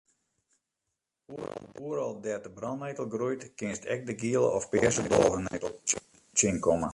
Oeral dêr't de brannettel groeit kinst ek de giele of pearse dôvenettel tsjinkomme.